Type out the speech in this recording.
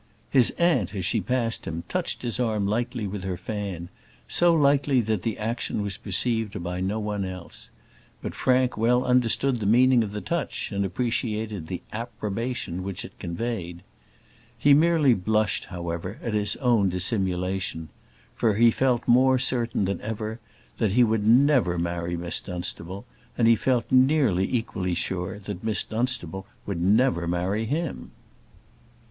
His aunt, as she passed him, touched his arm lightly with her fan, so lightly that the action was perceived by no one else. But Frank well understood the meaning of the touch, and appreciated the approbation which it conveyed. He merely blushed, however, at his own dissimulation; for he felt more certain that ever that he would never marry Miss Dunstable, and he felt nearly equally sure that Miss Dunstable would never marry him.